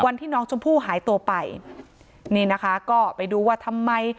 วันที่น้องชมพู่หายตัวไปนี่นะคะก็ไปดูว่าทำไม